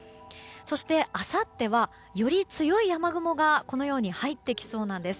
そしてあさってはより強い雨雲が入ってきそうなんです。